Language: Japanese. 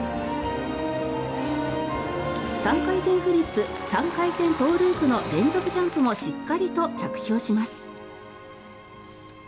３回転フリップ３回転トウループの連続ジャンプもしっかりと着氷します。